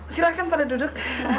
silahkan pada duduk